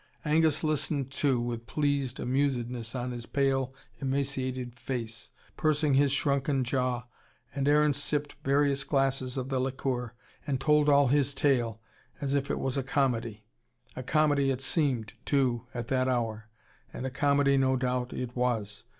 Angus listened, too, with pleased amusedness on his pale, emaciated face, pursing his shrunken jaw. And Aaron sipped various glasses of the liqueur, and told all his tale as if it was a comedy. A comedy it seemed, too, at that hour. And a comedy no doubt it was.